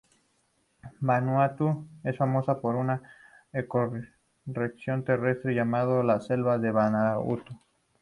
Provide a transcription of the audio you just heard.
Vanuatu es famosa por una ecorregión terrestre, llamado las selvas de Vanuatu.